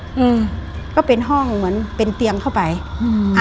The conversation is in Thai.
อืมก็เป็นห้องเหมือนเป็นเตียงเข้าไปอืมอ่า